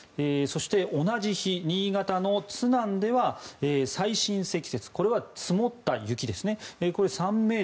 そして同じ日、新潟の津南では最深積雪これは積もった雪ですね。